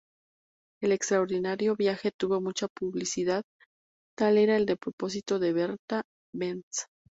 El extraordinario viaje tuvo mucha publicidad –tal era el propósito de Bertha Benz–.